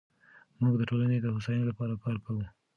موږ د ټولنې د هوساینې لپاره کار کوو.